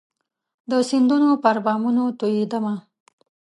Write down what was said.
د سیندونو پر بامونو توئيدمه